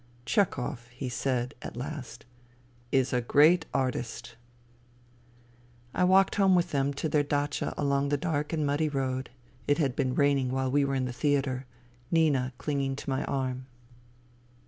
" Chehov," he said at last, " is a great artist. ..." I walked home with them to their datcha along the dark and muddy road — it had been raining while we were in the theatre^ — Nina clinging to my arm.